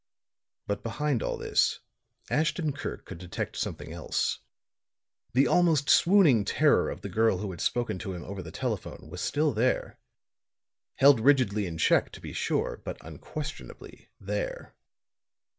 But behind all this, Ashton Kirk could detect something else. The almost swooning terror of the girl who had spoken to him over the telephone was still there held rigidly in check to be sure, but unquestionably there.